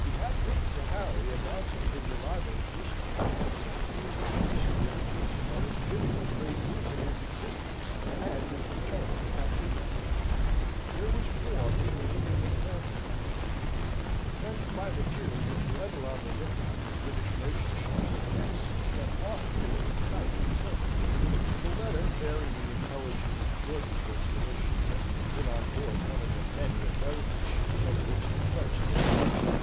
He had written to Harry, announcing his arrival at Bristol. He had previously written to his brother, giving the great news of his existence and his return from captivity. There was war between England and France at that time; the French privateers were for ever on the look out for British merchant ships, and seized them often within sight of port. The letter bearing the intelligence of George's restoration must have been on board one of the many American ships of which the French took possession.